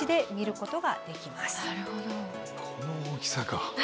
この大きさか。